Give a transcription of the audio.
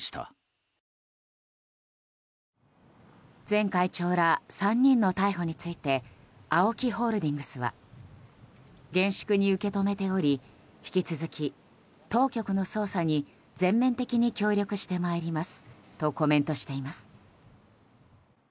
前会長ら３人の逮捕についてＡＯＫＩホールディングスは厳粛に受け止めており引き続き、当局の捜査に全面的に協力してまいりますとコメントしています。